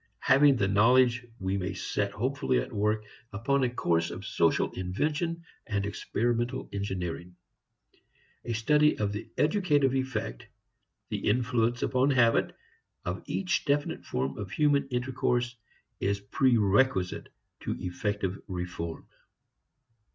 Having the knowledge we may set hopefully at work upon a course of social invention and experimental engineering. A study of the educative effect, the influence upon habit, of each definite form of human intercourse, is prerequisite to effective reform.